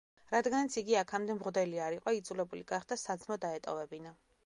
რადგანაც იგი აქამდე მღვდელი არ იყო, იძულებული გახდა საძმო დაეტოვებინა.